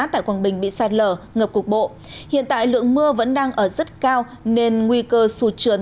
tại quảng bình bị sạt lở ngập cục bộ hiện tại lượng mưa vẫn đang ở rất cao nên nguy cơ sụt trượt